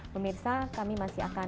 pemirsa kami masih akan